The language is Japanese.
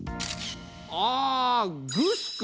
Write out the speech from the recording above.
あグスク？